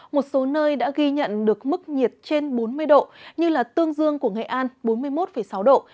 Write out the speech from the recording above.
một số nơi đã ghi nhận được mức nhiệt trên bốn mươi độ như tương dương của nghệ an bốn mươi một sáu độ